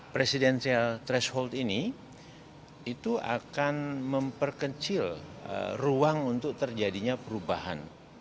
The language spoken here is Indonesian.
presidential threshold ini itu akan memperkecil ruang untuk terjadinya perubahan